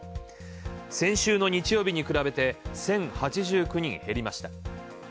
先週の日曜日に比べて１０８９人減りました。